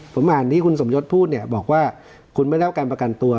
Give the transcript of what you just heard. ผมอ่านที่คุณสมยศพูดเนี่ยบอกว่าคุณไม่ได้รับการประกันตัว